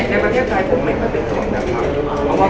ในประเทศไทยผมไม่ควรเป็นส่วนจักรครับครับ